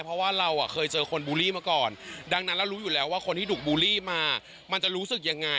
เพราะว่าเราเคยเจอคนบูลลี่มาก่อนดังนั้นเรารู้อยู่แล้วว่าคนที่ถูกบูลลี่มามันจะรู้สึกยังไง